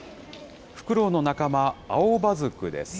フクロウの仲間、アオバズクです。